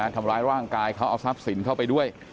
ทำร้ายร่างกายเขาเอาทรัพย์สินเข้าไปด้วย